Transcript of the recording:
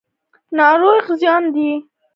ناروغي زیان دی.